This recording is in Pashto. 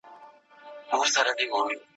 یو څه یاران یو څه غونچې ووینو